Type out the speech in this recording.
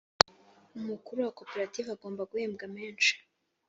umukuru wa koperative agomba guhembwa meshi